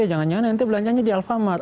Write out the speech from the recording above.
jangan jangan nanti belanjanya di alfamart